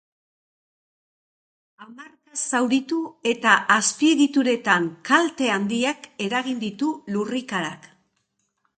Hamarka zauritu eta azpiegituretan kalte handiak eragin ditu lurrikarak.